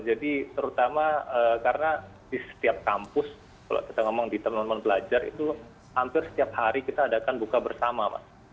jadi terutama karena di setiap kampus kalau kita ngomong di teman teman belajar itu hampir setiap hari kita adakan buka bersama mas